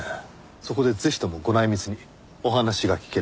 そこでぜひともご内密にお話が聞ければと。